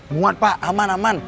muat pak aman aman